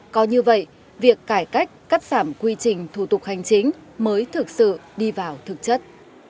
có như vậy việc cải cách cắt giảm quy trình thủ tục hành chính mới thực sự đi vào thực chất